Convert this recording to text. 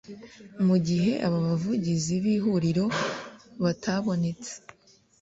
mu gihe aba bavugizi b ihuriro batabonetse